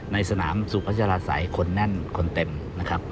ในสนามสุพัชราศัยคนแน่นคนเต็มนะครับ